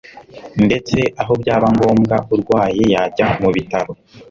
ndetse aho byaba ngombwa urwaye yajya mu bitaro